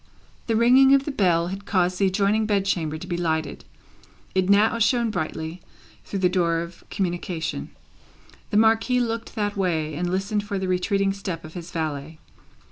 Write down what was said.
The ringing of the bell had caused the adjoining bed chamber to be lighted. It now shone brightly, through the door of communication. The Marquis looked that way, and listened for the retreating step of his valet.